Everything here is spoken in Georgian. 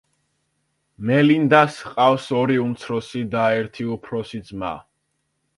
მელინდას ჰყავს ორი უმცროსი და ერთი უფროსი ძმა.